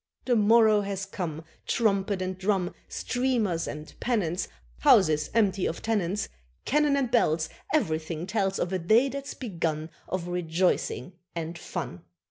The morrow has come; Trumpet and drum, Streamers and pennants, Houses empty of tenants, Cannon and bells, Everything tells Of a day that's begun Of rejoicing and fun.